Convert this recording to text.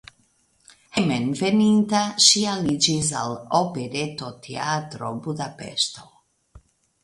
Hejmenveninta ŝi aliĝis al Operetoteatro (Budapeŝto).